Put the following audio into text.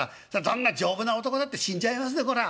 どんな丈夫な男だって死んじゃいますねこら。